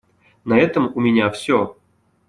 На этом у меня все.